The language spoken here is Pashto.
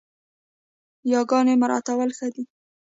ياګاني مراعتول ښه دي